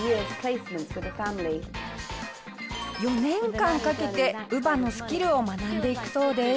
４年間かけて乳母のスキルを学んでいくそうです。